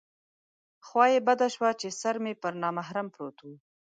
خوا یې بده شوه چې سر مې پر نامحرم پروت و.